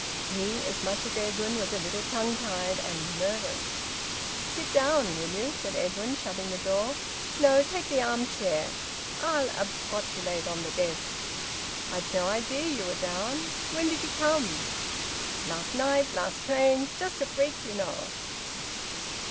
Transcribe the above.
He, as much as Edwin, was a little tongue tied and nervous. "Sit down, will you?" said Edwin, shutting the door. "No, take the arm chair. I'll absquatulate on the desk. I'd no idea you were down. When did you come?" "Last night, last train. Just a freak, you know."